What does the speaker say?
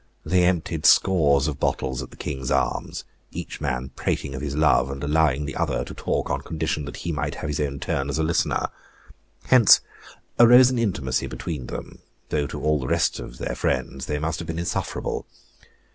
They emptied scores of bottles at the "King's Arms," each man prating of his love, and allowing the other to talk on condition that he might have his own turn as a listener. Hence arose an intimacy between them, though to all the rest of their friends they must have been insufferable.